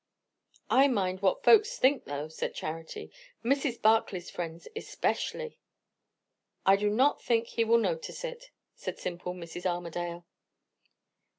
"I mind what folks think, though," said Charity. "Mrs. Barclay's friend especially." "I do not think he will notice it," said simple Mrs. Armadale.